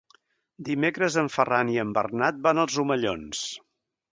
Dimecres en Ferran i en Bernat van als Omellons.